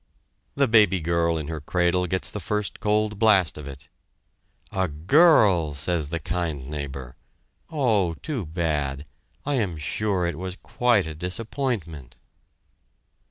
The baby girl in her cradle gets the first cold blast of it. "A girl?" says the kind neighbor, "Oh, too bad I am sure it was quite a disappointment!"